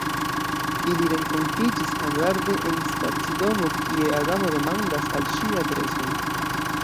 Ili renkontiĝis hazarde en stacidomo kie Adamo demandas al ŝi adreson.